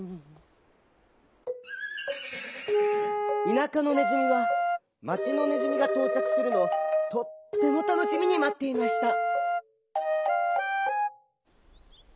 田舎のねずみは町のねずみがとうちゃくするのをとってもたのしみにまっていました。